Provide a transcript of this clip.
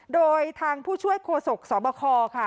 โดยทางผู้ช่วยโควิดเช่นเคยสปคค่ะ